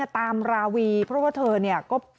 ตามราวีเพราะว่าเธอก็